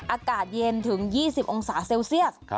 อากาศเย็นถึง๒๐องศาเซลเซียส